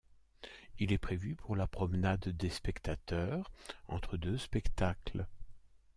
Il est prévu pour la promenade des spectateurs entre deux spectacles.